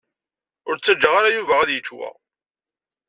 Ur ttaǧǧa ara Yuba ad yečč wa.